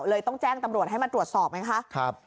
ต้องแจ้งตำรวจให้มาตรวจสอบไงคะ